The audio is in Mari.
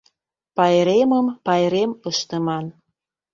Пайремым пайрем ыштыман.